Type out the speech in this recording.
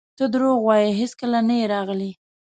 ته درواغ وایې هیڅکله نه یې راغلی!